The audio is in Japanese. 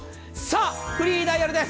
フリーダイヤルです。